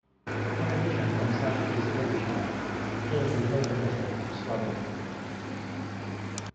In addition from South East Derbyshire came the Urban District of Swadlincote.